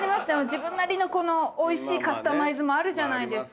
自分なりのおいしいカスタマイズもあるじゃないですか。